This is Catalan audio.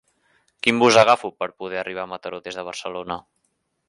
Quin bus agafo per poder arribar a Mataró des de Barcelona?